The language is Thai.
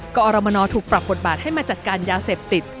กรมนถูกปรับบทบาทให้มาจัดการยาเสพติด